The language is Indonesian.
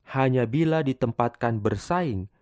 hanya bila ditempatkan bersaing